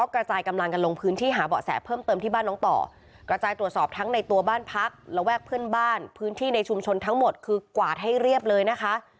กระจายกำลังกันลงพื้นที่หาเบาะแสเพิ่มเติมที่บ้านน้องต่อกระจายตรวจสอบทั้งในตัวบ้านพักระแวกเพื่อนบ้านพื้นที่ในชุมชนทั้งหมดคือกวาดให้เรียบเลยนะคะ